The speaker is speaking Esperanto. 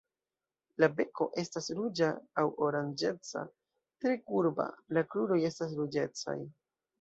La beko estas ruĝa aŭ oranĝeca, tre kurba, la kruroj estas ruĝecaj.